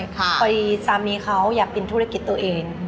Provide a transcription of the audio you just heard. พอดีสามีเขาอยากเป็นธุรกิจตัวเอง